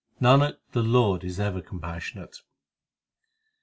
Nanak, the Lord is ever compassionate.